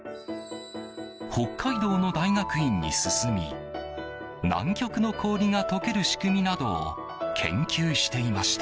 北海道の大学院に進み南極の氷が解ける仕組みなどを研究していました。